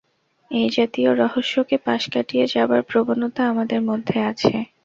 এইজাতীয় রহস্যকে পাশ কাটিয়ে যাবার প্রবণতা আমাদের মধ্যে আছে।